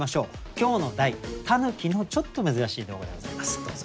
今日の題「狸」のちょっと珍しい動画でございますどうぞ。